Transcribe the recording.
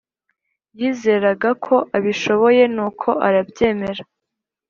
yizeraga ko abishoboye, nuko arabyemera.